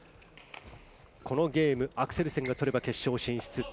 このゲーム、アクセルセンが取れば決勝進出。